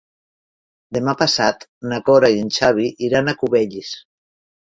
Demà passat na Cora i en Xavi iran a Cubells.